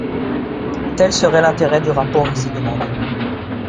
Tel serait l’intérêt du rapport ici demandé.